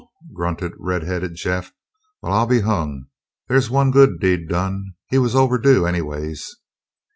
grunted red headed Jeff. "Well, I'll be hung! There's one good deed done. He was overdue, anyways."